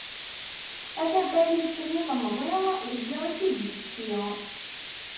A tabalizt n yilemẓi, deg yiḍ i tt-id-ifessi.